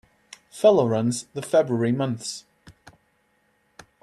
Feller runs the February months.